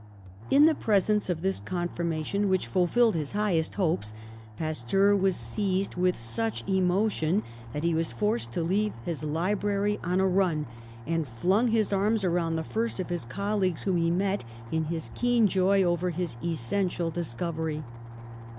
In the presence of this confirmation, which fulfilled his highest hopes, Pasteur was seized with such emotion that he was forced to leave his library on a run, and flung his arms around the first of his colleagues whom he met, in his keen joy over this essential discovery.